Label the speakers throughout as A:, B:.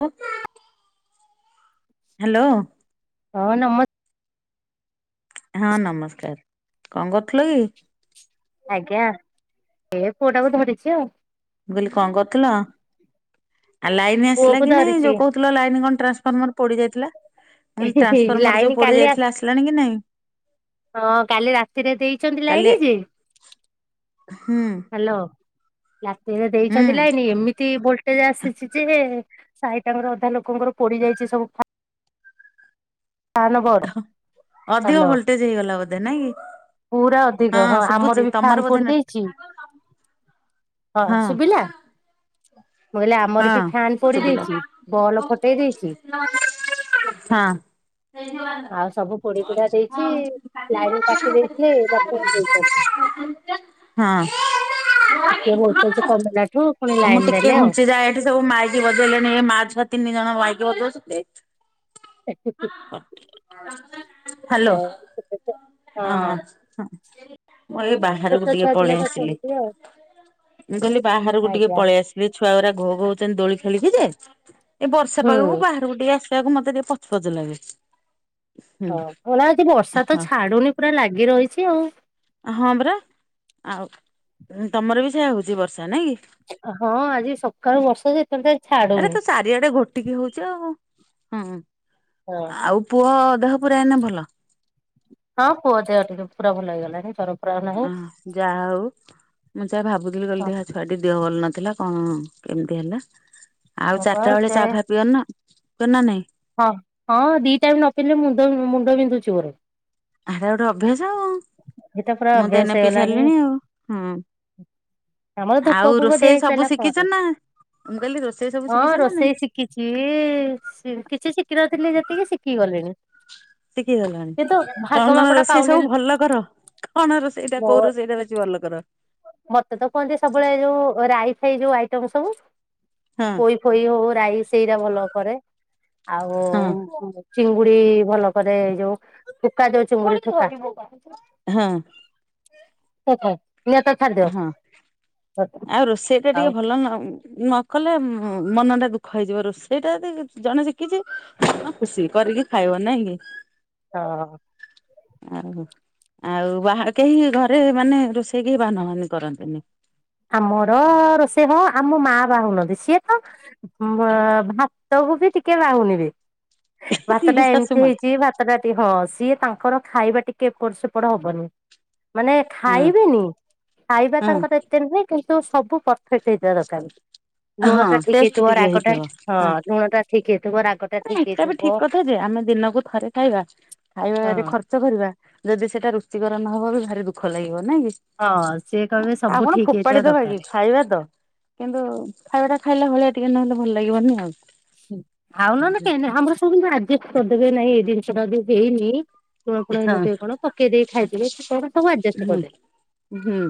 A: [unintelligible] Hello.
B: ହଁ ନମସ୍
A: ହଁ ନମସ୍କାର୍, କଣ କରୁଥିଲ କି?
B: ଆଜ୍ଞା ଏ ପୁଅଟାକୁ ଧରିଛି ଆଉ।
A: ମୁଁ କହିଲି କଣ କରୁଥିଲ ଆ ଲାଇନ ଆସିଲା
B: ପୁଅକୁ
A: କି ନାଇଁ
B: ଧରିଛି।
A: ଯୋଉ କହୁ ଲାଇନ୍ କଣ ଟ୍ରାନ୍ସଫର୍ମର ପୋଡି ଯାଇଥିଲା, ମୁଁ କହିଲି ଟ୍ରାନ୍ସଫର୍ମର ଯୋ
B: ଲାଇନ
A: ପୋଡି
B: କାଲି ଆସ
A: ଯାଇଥିଲା ଆସିଲାଣି କି ନାଇଁ?
B: ହଁ କାଲି ରାତିରେ ଦେଇଚନ୍ତି
A: କାଲି
B: ଲାଇନି ଯେ
A: ହୁଁ।
B: ହାଲୋ ଲାତିରେ
A: ହୁଁ
B: ଦେଇଛନ୍ତି ଲାଇନି ଏମିତି ଭୋଲ୍ ଟେଜ୍ ଆସିଛି ଯେ ସାଇଟାଙ୍କର ଅଧା ଲୋକଙ୍କର ପୋଡି ଯାଇଛି ସବୁ ଫାନ ବୋର୍ଡ।
A: ଅଧିକ ଭୋଲ୍ଟେଜ ହେଇଗଲା ବୋଧେ ନାଇଁ କି?
B: ପୁରା ଅଧିକ ହଁ
A: ଶୁଭୁଛି
B: ଆମର ବି
A: ତମର
B: ଫ୍ୟାନ
A: ବୋଧେ
B: ପୋଡି
A: ନେଟ
B: ଦେଇଚି। ହଁ ଶୁଭିଲା। ମୁଁ କହିଲି
A: ହଁ
B: ଆମର ବି ଫାନ ପୋଡି
A: ଶୁଭିଲା।
B: ଦେଇଛି ବଲ ଫଟେଇ ଦେଇଛି।
A: ହଁ। ସେ ହଁ।
B: ଆଉ ସବୁ ପୋଡି ପୋଡା
A: [unintelligible]
B: ଦେଇଛି
A: ହଁ ମୁଁ
B: ଲାଇନ କାଟି ଦେଇଥିଲେ ଏଇନା ପୁଣି ଦେଇଛନ୍ତି। ଟିକେ ଭୋଲଟେଜ କମିଲାଠୁ ପୁଣି ଲାଇନ
A: ଟିକେ
B: ଦେଲେ ଆଉ।
A: ଘୁଞ୍ଚି ଯା ଏଠି ସବୁ ମାଇ କୀ ବଯେଇଲେଣି ଏ ମା ଛୁଆ ତିନି ଜଣ ମାଇକୀ ବଯୋଉଛନ୍ତି। ହାଲୋ।
B: ହଉ ଛୋଟ ଛୁଆ- ହଁ
A: ହଁ-ହଁ-ହ ମୁଁ ଏଇ ବାହ ବାହାରକୁ
B: ଛୋଟ
A: ଟିକେ
B: ଛୁଆ ଥିଲେ
A: ପଳେଇ
B: ତ
A: ଆସିଲି
B: ସେମିତି ଆଉ
A: ମୁଁ କହିଲି ବାହାରକୁ ଟିକେ
B: ଆଜ୍ଞା
A: ପଳେଇ ଆସ ଛୁଆ ଗୁଡା ଘୋ ଘା ହଉଛନ୍ତି ଦୋଳି ଖେଳିକି ଯେ, ଏ ବର୍ଷା
B: ହୁଁ
A: ପାାଗକୁ ବାହାରକୁ ଟିକେ ଆସ ସୋଏଆକୁ ମତେ ଟିକେ ପଚ ପଚ ଲାଗେ। ହୁଁ।
B: ହଁ ହେଲା ଆଜି ବର୍ଷା ତ
A: ହଁ
B: ଛାଡୁନି ପୁରା ଲାଗି ରହିଛି ଆଉ।
A: ହଁ ପରା ଆଉ ତମର ବି ସେୟଆ ହେଉଛି ବର୍ଷା ନାଇଁ କି?
B: ହଁ ଆଜି ସକାଳୁ ବର୍ଷା ଯେ ଏତ ଛାଡୁନି।
A: ଦିଆଡେ ଘୋଟିକି ହଉଛି ଆଉ ହୁଁ
B: ହଁ
A: ଆଉ ପୁଅ ଦେହ ପୁରା ଏନେ ଭଲ
B: ହଁ ପୁଅ ଦେହ ଟିକେ ପୁରା ଭଲ ହେଇଗଲାଣି ତର
A: ଅ ଯାହା ହଉ ମୁଁ ଯାହା ଭାବୁଥିଲି କହିଲ
B: ହଁ
A: ଦେହା ଛୁଆ ଟ ଦେହ ଭଲ ନଥିଲା କଣ କେମିତି ହେଲା ଆଉ
B: ହଁ ପା
A: ଚାରିଟା ବେଳେ
B: ସେ
A: ଚା ଫା ପିଅ ନା କେନା ନାଇଁ
B: ହଁ ହଁ ଦି ଟାଇମ୍ ନ ପିଇଲେ ମୁଣ୍ଡ ମୁଣ୍ଡ ବିନ୍ଧୁଛି ମୋର।
A: ଏଟା ଗୋଟେ ଅଭ୍ୟାସ ଆଉ
B: ଏଇଟା ପୁରା
A: ମୁଁ
B: ଅଭ୍ୟାସ
A: ତନେ ପିଇ
B: ହେଇଗଲାଣି
A: ସାରିଲିଣି ଆଉ ହଁ
B: ଆମର ଧୂପ
A: ଆଉ
B: ଫୁପ ଦିଆ
A: ରୋଷେଇ
B: ହେଇ
A: ସବୁ
B: ସାରିଲା ପରେ
A: ଶିଖିଛ ନା ମୁଁ କହିଲି ରୋଷେଇ ସବୁ ଶିଖିଛ ନା ନାଇଁ?
B: କିଛି କିଛି ଶିଖିନଥିଲି ଯେତିକି ଶିଖି ଗଲେଣି।
A: ଶିଖି ଗଲାଣି କଣ କଣ
B: ମାପଟା
A: ରୋଷେଇ
B: ପାଉନି
A: ସବୁ ଭଲ କର କଣ ରୋଷଇ ଟା
B: ମୋ
A: କୋଉ ରୋଷେଇଟା ବେଶୀ ଭଲ କର?
B: ମତେ ତ କୁହନ୍ତି ସବୁବେଳେ ଯୋଉ ରାଇ ଫାଇ ଯୋଉ ଆଇଟମ ସବୁ
A: ହଁ
B: ପୋଇ ଖୋଇ ହଉ ରାଇ ସେଇଟା ଭଲ କରେ ଆଉ
A: ହଁ
B: ଚିଙ୍ଗୁଡି ଭଲ କରେ ଏଇ ଯୋଉ ଫୁକା ଯଉ ଚିଙ୍ଗୁଡି ଥକା।
A: ହଁ।
B: ଓହ।
A: ହଁ ଆଉ ରୋଷେଇ ଟା
B: ଆଉ
A: ଟିକେ ଭଲ ନାଉ ନ କଲେ ମନ ଟା ଦୁଃଖ ହେଇଯିବ। ରୋଷେଇଟା ଯି ଜଣେ ଶିଖିଛି କ ଖୁସି କରିକି ଖାଇବ ନାଇଁ କି?
B: ହଁ।
A: ଆଉ ଆଉ ବାହା କେହି ଘରେ ମାନେ ରୋଷେଇକ ବାନହାନି କରନ୍ତିନି।
B: ଆମର ରୋଷେଇ ହ ଆମ ମା ବା ହଉ ନାହାନ୍ତି ସିଏ ତ ଭାତକୁ ବି ଟିକେ ବାହୁନିବେ ବି ଭାତ ଟା
A: ଶାଶୁ
B: ଏମିତି
A: ମା
B: ହେଇଛି ଭାତ ପାଞ୍ଚ ଜାତି ହଁ ସିଏ ତାଙ୍କର ଖାଇବା ଟିକେ ଏପଟ ସେପଟ ହବନି। ମାନେ
A: ହଁ
B: ଖାଇବେନି ଖାଇବା
A: ହଁ।
B: ତାଙ୍କର ଏତେ ନୁହେଁ କିନ୍ତୁ ସବୁ ପରଫେକ୍ଟ ହେଇଥିବା ଦରକାର ଲୁଣ
A: ହଁ
B: ଟା ଠିକ୍
A: ଟେଷ୍ଟ
B: ହେଇଥିବ
A: ଟିକେ
B: ରାଗଟା ହଁ ଲୁଣ ଟା ଠିକେ ଥିବ ରାଗ ଟା
A: ନା
B: ଠିକ
A: ଏଇଟା ବି
B: ହେଇଥିବ
A: ଠିକ କଥା ଯେ ଆମେ ଦିନକୁ ଥରେ ଖାଇବା ଖାଇବାରେ
B: ହଁ।
A: ଖର୍ଚ୍ଚ ଚ କରିବା ଯଦି ସେଇଟା ରୁଚିକର ନହବ ବି ଭାରି ଦୁଃଖ ଲାଗିବ ନାଇଁ
B: ହଁ ସିଏ
A: କି
B: କହିବେ ସବୁ
A: ଆଉ କଣ
B: ଠିକ ହେଇଥିବା
A: ଫୋପାଡ଼ି ଦବା
B: ଦରକାର।
A: କି ଖାଇବା ତ କିନ୍ତୁ ଖାଇବା ଟା ଖାଇଲା ଭଳିଆ ଟିକେ ନହେଲେ ଭଲ ଲାଗିବନି ଆଉ
B: ଆଉ ନ ହେଲେ କେହି ନାଇଁ ଆମର ସବୁୁ କିନ୍ତୁ ଆଡଜଷ୍ଟ କରିଦେବେ ନାଇଁ ଏଇ ଜିନିଷ ଟା ଯଦି ହେଇନି। ପୁଣ ପୁଣ
A: ହଁ
B: ହେଇନଥିବ କଣ ପକେଇ ଦେଇ ଖାଇ ଦେବେ କଣ ସବୁ ଆଡଜଷ୍ଟ
A: ହୁଁ
B: କରିଦେବେ।
A: ହୁଁ।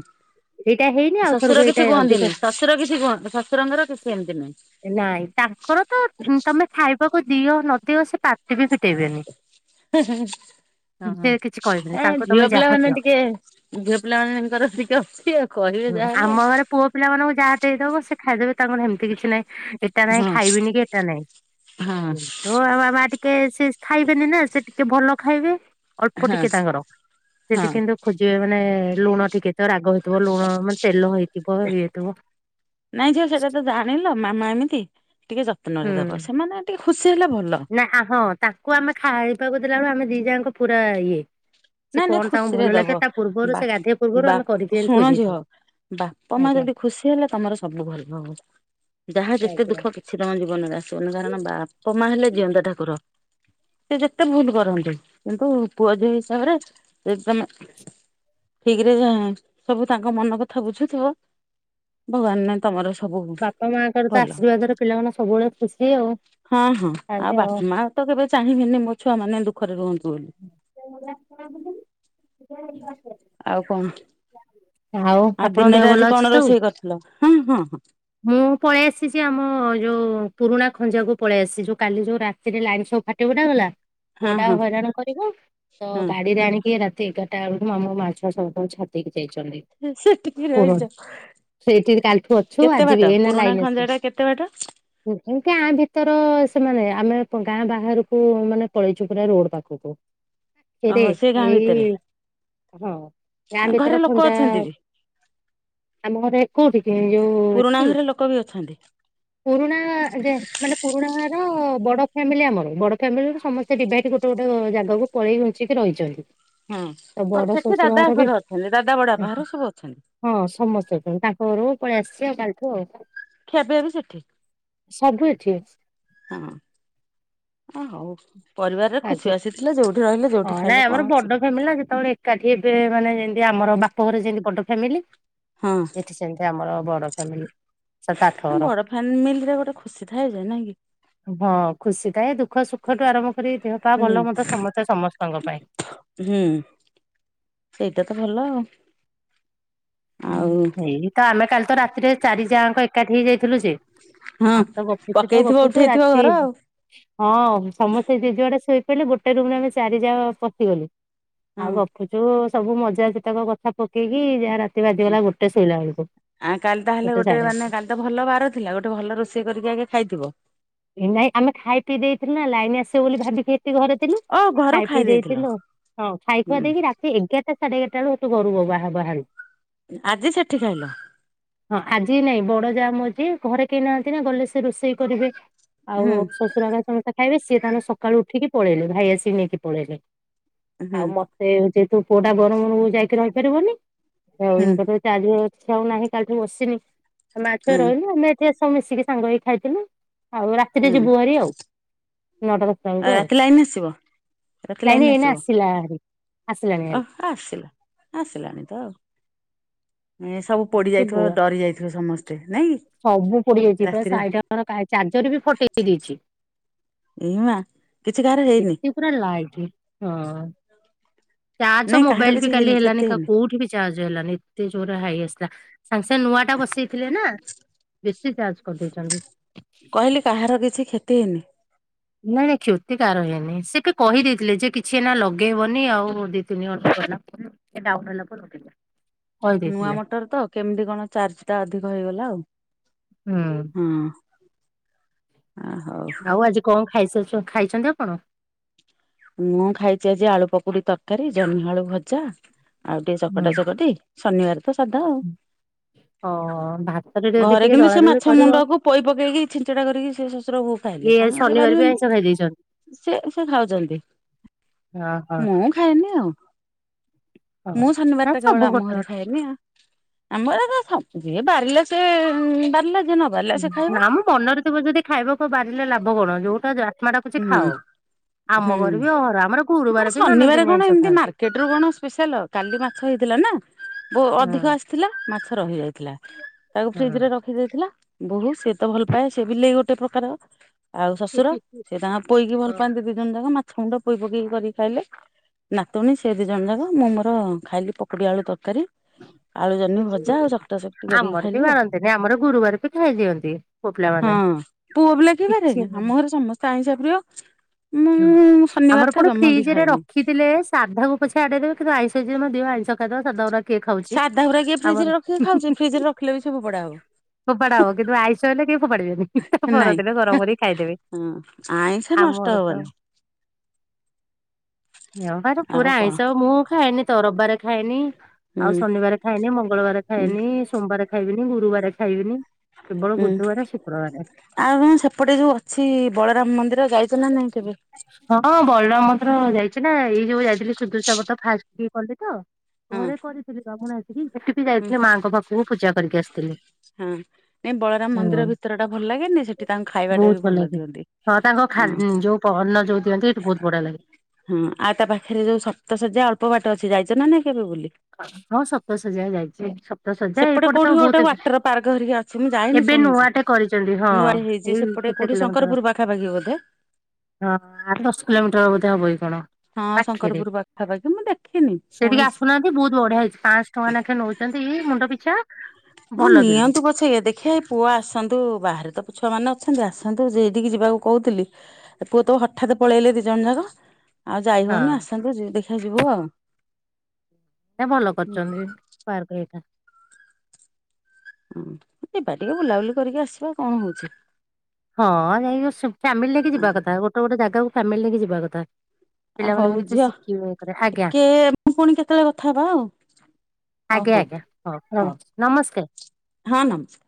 B: ଏଇଟା ହେଇନି। ଆଉ ଥରକୁ
A: ଶଶୁର
B: ଏଇଟା
A: କିଛି
B: ଅଧିକ
A: କୁହନ୍ତିନି, ଶଶୁର କିଛି କୁହନ୍ତି, ଶଶୁରଙ୍କର କିଛି ଏମିତି ନାହିଁ।
B: ନାଇଁ ତାଙ୍କର ତ ତମେ ଖାଇବାକୁ ଦିଅ ନଦିଅ ସେ ପାଟି ବି ଫି
A: ହେ, ହେ, ହଁ,
B: ସେ
A: ହଁ,
B: କିଛି କହିବେନି
A: ଏ
B: ତାଙ୍କୁ ତମେ
A: ଝିଅ
B: ଯାହା
A: ପିଲାମାନେ
B: ଦିଅ।
A: ଟିକେ ଝିଅ ପିଲା ମାନଙ୍କର ଟିକେ ଅଛି ଆଉ କହିବେ
B: ହୁଁ, ଆମ
A: ଯାହେଲେ।
B: ଘରେ ପୁଅ ପିଲା ମାନଙ୍କୁ ଯାହା ଦେଇଦବ ସେ ଖାଇଦବେ ତାଙ୍କର ହେମିତି କିଛି ନାହିଁ ଏଟା ନାହିଁ।
A: ହଁ
B: ଖାଇବିନି କି ଏଟା ନାଇଁ
A: ହଁ
B: ହୁଁ। ହଁ ଆ ବାବା ଟିକେ ସେ ଖାଇବେନି ନା ସେ ଟିକେ ଭଲ ଖାଇବେ। ଅଳ୍ପ
A: ହଁ
B: ଟିକେ ତାଙ୍କର ସେଠି
A: ହଁ
B: କିନ୍ତୁ ଖୋଜିବେ ମାନେ ଲୁଣ ଠିକ୍ ହେଇଥିବ, ରାଗ ହେଇଥିବ, ଲୁଣ ମାନେ ତେଲ ହଇଥିବ ଇଏ ହେଇଥିବ।
A: ନାଇଁ ଝିଅ ସେଟା ତ ଜାଣିଲ ମାମା ଏମିତି ଟିକେ
B: ହୁଁ
A: ଯତ୍ନରେ ଦବ ସେମାନେ ଟିକେ ଖୁସି ହେଲେ ଭଲ।
B: ନା ହଁ ତାଙ୍କୁ ଆମେ ଖାଇବାକୁ ଦେଲାବେଳେ ଆମେ ଦି ଯାଆଙ୍କ ପୁରା ଇଏ। ସେ
A: ନାଇଁ ନାଇଁ
B: କଣ ତାଙ୍କୁ
A: ଖୁସିରେ
B: ଭଲ
A: ଦବ
B: ଲାଗେ ତା ପୂର୍ବରୁ
A: ବା
B: ସେ ଗାଧେଇବା ପୂର୍ବରୁ ଆମେ କରିକି ଏନେ ଥୋଇ ଦେଇଥିବୁ।
A: ବାପ, ମା
B: ଆଜ୍ଞା।
A: ଯଦି ଖୁସି ହେଲେ ତମର ସବୁ ଭଲ ହବ, ଯାହା ଯେତେ
B: ଆଜ୍ଞା।
A: ଦୁଃଖ କି କିଛି ତମ ଜୀବନରେ ଆସିବନି କାରଣ ବାପା, ମା ହେଲେ ଜିଅନ୍ତା ଠାକୁର। ସେ ଯେତେ ଭୁଲ୍
B: ହଁ
A: କରନ୍ତୁ କିନ୍ତୁ ପୁଅ, ଝିଅ ହିସାବରେ ଯଦି ତମେ ଠିକ୍ ରେ ଯେ ସବୁ ତାଙ୍କ ମନ କଥା ବୁଝୁଥିବ ଭଗବାନ ମାନେ ତମର ସବୁ
B: ବାପା ମାଙ୍କର ତ
A: ଭଲ।
B: ଆଶୀର୍ବାଦରେ ପିଲାମାନେ ସବୁବେଳେ ଖୁସି ଆଉ
A: ହଁ ହଁ ଆଉ ବାପା, ମା ତ କେବେ ଚାହିଁବେନି ମୋ ଛୁଆ ମାନେ ଦୁଃଖରେ ରୁହନ୍ତୁ ବୋଲି।
B: ସେଇ ଭଳିଆ ଖରାକୁ ଦେମି। ଠେଲା ପରି।
A: ଆଉ କଣ, ଆଉ
B: ଆପଣଙ୍କ ଦେହ
A: ଦିନରେ
B: ଭଲ
A: ଆଜି
B: ଅଛି
A: କଣ
B: ସବୁ?
A: ରୋଷେଇ କରିଥିଲ? ହୁଁ, ହଁ ହଁ।
B: ମୁଁ ପଳେଇ ଆସିଛି ଆମ ଯୋଉ ପୁରୁଣା ଖଞ୍ଜାକୁ ପଳେଇ ଆସିଛି, ଯୋଉ କାଲି ଯୋଉ ରାତିରେ ଲାଇନ୍ ସବୁ ଫା ଟି ଫୁଟା ଗଲା
A: ହଁ
B: ପୁଅଟା
A: ହଁ
B: ହଇରାଣ କରିବ ତ
A: ହଁ
B: ଗାଡିରେ ଆଣିକି ରା ରାତି ଏଗାରଟା ବେଳୁକୁ ମାମୁ, ମା ଛୁଆ ସମସ୍ତଙ୍କୁ ଛାଡ଼ିଦେଇ କି ଯାଇଛନ୍ତି।
A: ହଁ ସେଠିକି
B: କଉରା,
A: ରହିଛ
B: ସେଇଠି କାଲିଠୁ ଅ
A: କେତେ ବାଟ ପୁରୁଣା ଖଞ୍ଜା ଟା କେତେ ବାଟ?
B: କୁଜି ଗାଁ ଭିତର ସେମାନେ ଆମେ ଗାଁ ବାହାରକୁ ମାନେ ପଳେଇଛୁ ପୁରା ରୋଡ୍ ପାଖକୁ। [unintelligible] ହେରେ
A: ଓହୋ ସେ ଗାଁ ଭିତରେ
B: ଏଇ ହଁ ଗାଁ
A: ଘରେ
B: ଭିତର
A: ଲୋକ
B: ଖଞ୍ଜା
A: ଅଛନ୍ତି ବି
B: ଆମ ଘର ହେ କୋଉଠି କି? ଯୋଉ
A: ପୁରୁଣା
B: ଏଠି
A: ଘରେ ଲୋକ ବି ଅଛନ୍ତି।
B: ପୁରୁଣା ଯେ ମାନେ ପୁରୁଣା ଘର ବଡ ଫ୍ୟାମିଲି ଆମର, ବଡ ଫ୍ୟାମିଲିରୁ ସମସ୍ତେ ଡିଭାଇଡ଼୍ ଗୋଟେ ଗୋଟେ ଯାଗାକୁ ପଳେଇ ଘୁଞ୍ଚିକି ରହିଛନ୍ତି।
A: ହଁ ତ
B: ବଡ
A: ସେଠି
B: ଶ୍ୱଶୁର
A: ଦାଦା
B: ଘର ବି
A: ଘରେ ଅଛନ୍ତି, ଦାଦା ବଡବାପା ଘର ସବୁ ଅଛନ୍ତି।
B: ହଁ ସମସ୍ତେ ଅଛନ୍ତି, ତାଙ୍କ ଘରକୁ ପଳେଇ ଆସିଛି ଆଉ କାଲିଠୁ ଆଉ।
A: ଖିଆ ପିଆ ବି ସେଠି
B: ସବୁ ଏଠି
A: ହଁ, ହଁ ହଉ। ପରିବାରରେ
B: ଆଜି
A: ଖୁସିବାସି ଥିଲେ ଯଉଠି ରହିଲେ
B: ହଁ
A: ଯଉଠି
B: ନାଇଁ
A: ଖାଇଲେ
B: ଆମର
A: କଣ
B: ବଡ
A: ଅଛି।
B: ଫ୍ୟାମିଲି ନା ଯେତେବେଳେ ଏକାଠି ହେବେ ମାନେ ଯେମିତି ଆମର ବାପ ଘରେ ଯେମିତି ବଡ ଫ୍ୟାମିଲି।
A: ହଁ
B: ଏଠି ସେମିତି ଆମର ବଡ ଫ୍ୟାମିଲି। ସାତ ଆଠ
A: ଆ
B: ଘର।
A: ବଡ ଫ୍ୟାମିଲିରେ ଗୋଟେ ଖୁସି ଥାଏ ଯେ ନାଇଁ କି?
B: ହଁ ଖୁସି ଥାଏ ଦୁଃଖ ସୁଖଠୁ ଆରମ୍ଭ କରିକି ଦେହ ପାହା
A: ହୁଁ
B: ଭଲ ମନ୍ଦ ସମସ୍ତେ ସମସ୍ତଙ୍କ ପାଇଁ।
A: ହୁଁ, ସେଇଟା ତ ଭଲ ଆଉ। ଆଉ
B: ହେଇ ତ ଆମେ କାଲି ତ ରାତିରେ ଚାରି ଯାଆ ଆଙ୍କ ଏକାଠି ହେଇ ଯାଇଥିଲୁ ଯେ।
A: ହଁ
B: ଆମେ ତ ଗପିଚୁ ତ
A: ପକେଇଥିବ
B: ଗପୁଚୁ
A: ଉଠେଇଥିବ
B: ରାତିି
A: ଘର ଆଉ
B: ହଁ ସମସ୍ତେ ଯିଏ ଯୁଆଡେ ଶୋଇପଇଲେ ଗୋଟେ ରୁମ୍ ରେ ଆମେ ଚାରି ଯା ପଶିଗଲୁ, ଆଉ
A: ହଁ।
B: ଗ ଗପୁଚୁ ସବୁ ମଜା ଯେତେକ କଥା ପକେଇକି ଯା ରା ରାତି ବାଜିଗଲା ଗୋଟେ ଶୋଇଲା ବେଳକୁ,
A: ଆ କାଲି ତାହେଲେ
B: ଗୋଟେ ଶାଢେ
A: ମାନେ କାଲି ତ ଭଲ ବାର ଥିଲା ଗୋଟେ ଭଲ ରୋଷେଇ କରିକି ଆଗେ ଖାଇଥିବ।
B: ନାଇଁ ଆମେ ଖାଇପିଇ ଦେଇଥିଲୁନା ଲାଇନ ଆସି ଆସିବ ବୋଲି ଭାବିକି ଏଠି ଘରେ ଥିଲୁ
A: ଓ ଘରୁ ଖାଇ
B: ଖାଇପିଇ
A: ଦେଇଥିଲ
B: ଦେଇଥିଲୁ ହଁ ଖାଇଖୁଆ
A: ହୁଁ
B: ଦେଇକି ରାତିକି। ସେଇ ଏଗାରଟା ସାଢ଼େ ଏଗାରେଟା ବେଳୁ ଘରୁ ବାହାରିଲୁ।
A: ଆଜି ସେଠି ଖାଇଲ
B: ହଁ ଆଜି ନାଇଁ ବଡ ଯାଆ ମରିଚି ଘରେ କେହି ନାହାନ୍ତି ନା ଗଲେ ସେ ରୋଷେଇ କରିବେ। ଆଉ
A: ହୁଁ
B: ଶଶୁର ହରିକା ସମସ୍ତେ ଖାଇବେ ସେ ତାଙ୍କର ସଖାଳୁ ଉଠିକି ପଳେଇଲେ ଭାଇ ଆସିକି ନେଇକି ପଳେଇଲେ।
A: ହୁଁ
B: ଆଉ ମୋତେ ଯେହେତୁ ପୁଅଟା ଗରମରେ ମାମୁଁଘରେ ରହିପାରିବନି ଆଉ
A: ହୁଁ
B: ଇନଭେଟର। ଚାର୍ଜ ଅଛି ଆଉ ନାହିଁ କାଲିଠୁ ବସିନି ଆମେ ମା ଛୁଆ
A: ହୁଁ
B: ରହିଲୁ ଆମେ ଏଠି ଆସିକି ମିଶିକି ସାଙ୍ଗ ହୋଇକି ଖାଇଥିଲୁ। ଆଉ ରାତିରେ
A: ହୁଁ
B: ଯିବୁ ହାରି ଆଉ---ନଅଟା ଦଶହ। ଆଙ୍କୁ ଆଉ
A: ରାତି ଲାଇନ ଆସିବ ରାତି
B: ଲାଇନ୍
A: ଲାଇନ
B: ଏଇନା
A: ଆସିବ
B: ଆସିଲା ହାରି ଆସିଲାଣି ହାରି।
A: ଓହୋ ଆସିଲା ଆସିଲାଣିତ ଆଉ ମେସ୍। ସବୁ
B: ଯିବୁ
A: ପୋଡିଯାଇଥିବ ଡରିଯାଇଥିବେ ସମସ୍ତେ ନାଇଁ କି ରାତିରେ।
B: ତାର କାଜ ଚାର୍ଜର ବି ଫଟେଇ ଦେଇଛି।
A: ଇମା କିଛି କାହାର ହେଇନି।
B: ଏତେ ପୁରା ଲାଇଟି ହଁ ଚାର୍ଜ
A: ନାଇଁ କାହାର
B: ମୋବାଇଲ ବି
A: କିଛି
B: କାଲି
A: ହେଇନି
B: ହେଲାନି
A: କ୍ଷତି
B: ପି କା
A: ହେଇନି।
B: କୋଉଠି ବି। ଚାର୍ଜହେଲାନି ଏତେ ଜୋରରେ ହାଇ ଆସିଲା ସାଙ୍ଗେ ସାଙ୍ଗେ ନୂଆଟା ବସିଥିଲେନା ବେଶୀ ଚାର୍ଜ। କରିଦେଇଛନ୍ତି।
A: କହିଲି କାହାର କିଛି କ୍ଷତି ହେଇନି।
B: ନାଇଁ ନାଇଁ କ୍ଷତି କାହାର ହେଇନି ସେ କିଏ କହିଦେଇଥିଲେ ଯେ କିଛି ଏଇନା ଲଗେଇବନି ଆଉ ଦି ତିନି ଘଣ୍ଟା ଗଲାପରେ। ଟିକେ ଡାଉଟ ହେଲା ପରେ କହିଲେ
A: ନୂଆ ମଟର ତ କେମିତି କଣ ଚାର୍ଜଟା ଅଧିକ ହେଇଗଲା ଆଉ।
B: ହୁଁ।
A: ହୁଁ
B: ଆଉ ଆଜି କଣ ଖାଇସାରିଚ ଖାଇଛନ୍ତି ଆପଣ।
A: ମୁଁ ଖାଇଚି ଆଜି ଆଳୁପକୁଡି ତରକାରୀ ଜହ୍ନିଆଳୁଭଜା ଆଉ ଟିକେ
B: ହୁଁ।
A: ଚକଟାଚକଟି। ଶନିବାରେ ତ ସାଧା ଆଉ।
B: ହଁ ଭାତରେ ଯଦି
A: ଘରେ
B: ଟିକେ
A: କିନ୍ତୁ ସେ
B: ଦଳାଦଳି କରିବ
A: ମାଛମୁଣ୍ଡକୁ ପୋଇପକେଇକି ଛିଞ୍ଚଡା କରିକି ସେ ଶଶୁର ବୋହୁ। ଖାଇଲେ
B: ଇଏ
A: ତାଙ୍କର ସେ
B: ଶନିବାର ବି ଆଇଁଷ ଖାଇ ଦେଇଛନ୍ତି।
A: ପାରିବେନି ସେ ସେ ଖାଉଛନ୍ତି।
B: ହଁ ହଁ
A: ମୁଁ ଖାଇନି ଆଉ।
B: ହଁ
A: ମୁଁ
B: ନା
A: ଶନିବାରଟା
B: ସବୁ
A: କେବଳ
B: ଗୋଟେ
A: ଆମ ଘରେ
B: ଗୋଟେ
A: ଖାଇବି ଉଁ। ଆମରତ ସବୁ ବାରିଲେ ସେ ବାରିଲା ଯିଏ ନ ବାରିଲା। ସେ ଖାଇବ
B: ନାମ ମନରେ ଥିବଯଦି ଖାଇବାକୁ ବାରିଲେ ଲାଭକଣ ଯୋଉଟାଆତ୍ମା
A: ହୁଁ
B: ଡାକୁଚିଖାଅ?
A: ହୁଁ
B: ବି
A: ଶନିବାରେ
B: ମାନନ୍ତିନି ଆଇଁଷ
A: ଏମିତି
B: ଖାଆନ୍ତି
A: ମାର୍କଟରେ କଣ ସ୍ପେସିଆଲ। କାଲିମାଛହେଇଥିଲା ନା ଓ
B: ହୁଁ
A: ଅଧିକଆସିଥିଲା ମାଛରହିଯାଇଥିଲା ଆଉ ଫ୍ରୀଜୀରେ ରଖି। ଫ୍ରୀ ଇ ଥିଲା ବୋହୁ ସିଏତ ଭଲପାଏ ସେ ବିଲେଇ ଗୋଟେପ୍ରକାରର। ଆଉ
B: ହୁଁ।
A: ଶଶୁର ସେ ତାଙ୍କ ପୋଇକି
B: ହଁ।
A: ଭଲପାନ୍ତି ଦିଜଣଯାକ ମାଛମୁଣ୍ଡ ପୋଇ ପକେଇକି କରିକି ଖାଇଲେ। ନାତୁଣୀ ସେ ଦିଜଣଯାକ ମୁଁ ମୋର ଖାଇଲିକୋବିଆଳୁ ତରକାରୀ। ଆଳୁ ଜହ୍ନି ଭଜା ଆଉ ଚକଟା ଚକଟି
B: ହଁ
A: କରିକି
B: ଆମର କେହି
A: ଖାଇଲି ଆଉ
B: ବାରନ୍ତିନାହିଁ ଆମରଗୁରୁବାରେ ପି ଖାଇଦିଅନ୍ତି ପୁଅପିଲାମାନେ।
A: ପୁଅପିଲା କେହିବାରେନି ଆମଘରେ ସମସ୍ତେ ଆଇନ୍ସ ପ୍ରିୟ। ମୁଁ ଶନିବାର
B: ଆମର
A: ଟା
B: ଫୁଣି
A: ଜମା ବି
B: ଫ୍ରିଜରେ
A: ଖାଏନି।
B: ରଖୁ। ପିଲେ ସାଧାକୁ ପଛେ ଆଡେଇଦେବେ କିନ୍ତୁଆଇଁସ ଦିନ ଆଇଁସଦିଅ ଖାଇଦେବା ସାଧଗୁଡ଼ାକ।
A: ସାଧଗୁରା କିଏ ଫ୍ରୀଜିରେ ରଖିକିଖାଉଛି ଫ୍ରିଜ୍ ରେ ରଖିଲେବି ଫୋପଡାହବ।
B: ଫୋପାଡା ହବ କିନ୍ତୁ ଆଇଁଷ ହେଲେ କେହି ଫୋପାଡିବେନି ପରଦିନ ଗରମ କରିକି ଖାଇଦେବେ।
A: ଆଇଁସ ନଷ୍ଟ
B: ଆମର ତ
A: ହବନି।
B: ରବିବାର
A: ଆଉ କଣ
B: ପୁରାଆଇଁସ ମୁଁ ଖାଏନି ତ ରବିବାରେ ଖାଏ ନି। ଆଉ
A: ହୁଁ
B: ଶନିବାରେ ଖାଏନି ମଙ୍ଗଳବାରେ
A: ହୁଁ
B: ଖାଏନି ସୋମବାରେ ଖାଇବିନି ଗୁରୁବାରେ। ବିନି କେବଳ ବୁଧବାରେ ଶୁକ୍ର।
A: ଆଉଁ ସେପଟେ ଯୋଉଅଛି ବଳରାମ ମନ୍ଦିର ଯାଇଚ ନା ନାଇଁ କେବେ।
B: ହଁ ବଳରାମ ମନ୍ଦିର ଯାଇଛି ନା ଏଇ ଯୋଉ ଯାଇଥିଲି ସୁଦୂଶାବ୍ରତ ଫାଷ୍ଟ କି କଲି ତ।
A: ହଁ
B: ଘରେ କରିଥିଲି ବ୍ରହ୍ମଣ ଆସି ସେଠି ବି
A: ହୁଁ
B: ଯାଇଥିଲି ମାଆଙ୍କ ପାଖକୁ ପୂଜା କରିକି ଆସିଥିଲି।
A: ହଁ ନାଇଁ ବଳରାମ ମନ୍ଦିର
B: ହୁଁ।
A: ଭିତର ଟା ଭଲ ଲାଗେନି ସେଠି ତାଙ୍କୁ ଖାଇବା ଟା
B: ବହୁତ
A: ବି ଭଲ ଦିଅନ୍ତି ହଁ।
B: ଅନ ଯଉ ଦିଅନ୍ତି ଏଠୁ ବହୁତ ବଢିଆ ଲାଗେ।
A: ହଁ ଆଉ ତା ପାଖରେ ଯୋଉ ସପ୍ତ ଶଯ୍ୟା ଅଳ୍ପ ବାଟ ଅଛି ଯାଇଛ ନା ନାଇ କେବେ ବୁଲି।
B: ହଁ ସପ୍ତସଯ୍ୟା ଯାଇଛି। ଦଶ ହଜାର
A: ସେପଟେ
B: ଏପଟେ ତ
A: କୋଉଠି ଗୋଟେ
B: ବହୁତ
A: ୱାଟର ପାର୍କ ହେରିକା ଅଛି ମୁଁ ଯାଇନି
B: ଏବେ
A: ଶୁଣିଛି।
B: ନୂଆଟେ କରିଛନ୍ତି ହଁ।
A: ନୂଆ ହେଇଛି
B: ଏଇ
A: ସେପଟେ
B: କେତେ
A: କୋଉଠି
B: କିଲୋମିଟର
A: ଶଙ୍କରପୁର ପାଖାପାଖି ବୋଧେ
B: ହଁ ଆଠ ଦଶ କିଲୋମିଟର ବୋଧେ ହବ କି କଣ?
A: ହଁ
B: ପାଖରେ।
A: ଶଙ୍କରପୁର ପାଖାପାଖି ମୁଁ ଦେଖିନି ଶୁଣିଛି।
B: ସେ ବହୁତ ବଢିଆଇଛି ପାଞ୍ଚଶହଟଙ୍କା ନେଖେ ନେଉଛନ୍ତି ମୁଣ୍ଡ ପିଛା।
A: ହଁ
B: ଭଲ କିନ୍ତୁ।
A: ନିଅନ୍ତୁ ପଛ ଏ ଦେଖିବା ପୁଅ ଆସନ୍ତୁ ବାହାରେ ତ ଛୁଆମାନେ ଅଛନ୍ତି ଆସନ୍ତୁ ସେଠିକି ଯିବାକୁ କହୁଥିଲି। ପୁଅ ତ ହଠାତ୍ ପଳେଇଲେ ଦିଜଣ ଯାକ। ଆଉ ଯାଇ
B: ହଁ
A: ହଉନି ଆସନ୍ତୁ ଦେଖିବା ଯିବୁ ଆଉ।
B: ଏଟା ଭଲ କରିୁଛନ୍ତି ପାର୍କରେ ଏଇଟା
A: ହଁ ଯିବା ଟିକେ ବୁଲାବୁଲି କରିକି ଆସିବା କଣ ହଉଛି?
B: ହଁ ଯାଇ ଫ୍ୟାମିଲି ନେଇକି ଯିବା କଥା ଗୋଟେ ଗୋଟେ ଜାଗାକୁ ଫ୍ୟାମିଲି ନେଇକି ଯିବା କଥା।
A: ଆଉ
B: ପିଲାମାନେ
A: ହଉ
B: ବି କିଛି
A: ଝିଅ
B: ଶିଖିବେ କରେ ଆଜ୍ଞା।
A: ଟିକେ ମୁଁ ପୁଣି କେତେବେଳେ କଥା ହବା ଆଉ ହଉ
B: ଆଜ୍ଞା
A: ହଉ
B: ଆଜ୍ଞା ହଉ ରହୁଚି ନମସ୍କାର।
A: ହଁ ହଁ